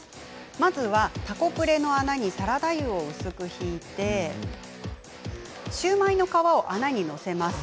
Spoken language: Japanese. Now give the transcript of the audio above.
まずは、たこプレの穴にサラダ油を薄く引いてシューマイの皮を穴に載せます。